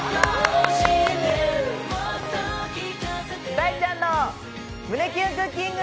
大ちゃんの胸キュンクッキング！